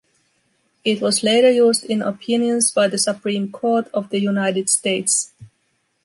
It was later used in opinions by the Supreme Court of the United States.